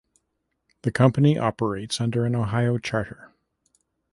The company operates under an Ohio charter.